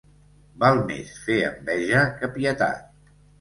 Val més fer enveja que pietat.